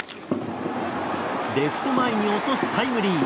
レフト前に落とすタイムリー。